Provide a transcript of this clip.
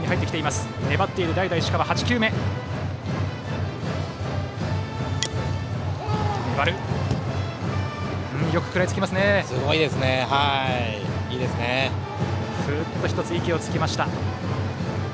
すっと１つ息をつきました。